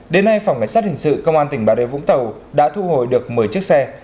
đến nay phòng cảnh sát hình sự công an tỉnh bà rệ vũng tàu đã thu hồi được một mươi chiếc xe